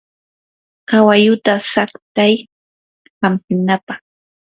kawalluta saqtay hampinapaq.